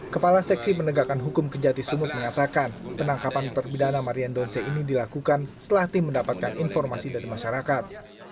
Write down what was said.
kepala seksi penegakan hukum kejati sumut mengatakan penangkapan perpidana marian donce ini dilakukan setelah tim mendapatkan informasi dari masyarakat